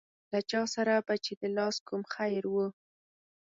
له چا سره به چې د لاس کوم خیر و.